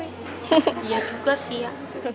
iya juga sih ya